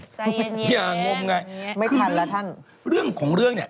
ใจเย็นเย็นอย่างงมงายคือคือเรื่องของเรื่องนี่